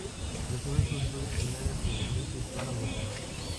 Realizó sus estudios secundarios en el Colegio Hispano Americano.